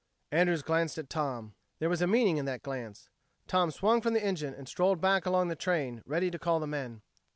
Andrews glanced at Tom. And there was meaning in that glance. Tom swung from the engine and strolled back along the train, ready to call the men.